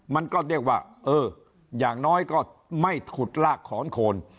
มันก็เรียกว่าเอออย่างน้อยก็ไม่ถุดลากขอนโคน